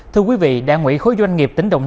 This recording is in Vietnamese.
thưa quý vị đảng ủy khối doanh nghiệp tỉnh đồng nai